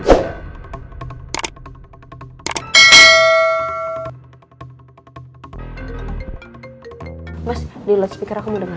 mas di loud speaker aku mau dengar